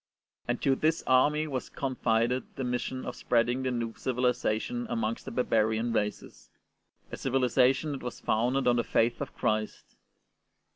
And to this army was confided the mission of spreading the new civiHzation amongst the barbarian races— a civihzation that was founded on the Faith of Christ.